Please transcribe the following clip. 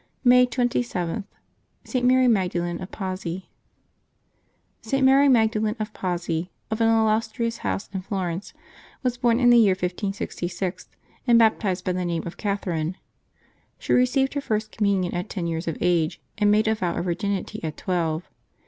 May 27.— ST. MARY MAGDALEN OF PAZZI. ,T. Mary Magdalen of Pazzi, of an illustrious house in Florence, was born in the year 1566, and baptized by the name af Catherine. She received her first Com munion at ten years of age, and made a vow of virginity at twelve.